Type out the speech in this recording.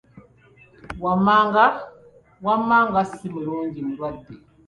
Wamma nga si mulungi mulwadde!